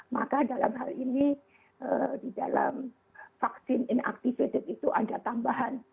maka dalam hal ini di dalam vaksin inaktivated itu ada tambahan